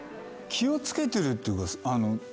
気を付けてるっていうか。